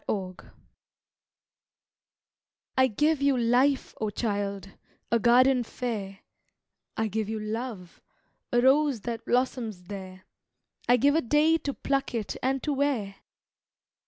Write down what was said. The Gifts I GIVE you Life, O child, a garden fair; I give you Love, a rose that blossoms there I give a day to pluck it and to wear!